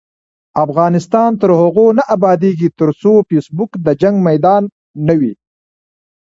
افغانستان تر هغو نه ابادیږي، ترڅو فیسبوک د جنګ میدان نه وي.